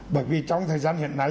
bởi vì trong thời gian hiện nay